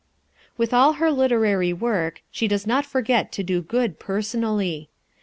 With all her literary work, she does not forget to do good personally.